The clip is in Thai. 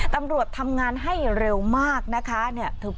ตำรวจทำงานให้เร็วมากนะคะ